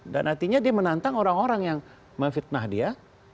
artinya dia menantang orang orang yang memfitnah dia